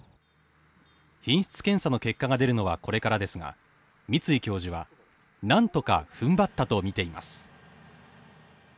品質検査の結果が出るのはこれからですが、三ツ井教授は何とか、ふんばったとみています。